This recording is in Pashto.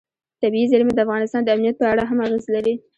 طبیعي زیرمې د افغانستان د امنیت په اړه هم اغېز لري.